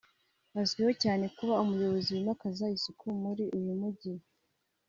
Azwiho cyane kuba umuyobozi wimakaza isuku muri uyu mujyi